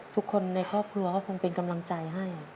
ทุกคนในครอบครัวก็คงเป็นกำลังใจให้